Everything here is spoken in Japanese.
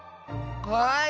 はい！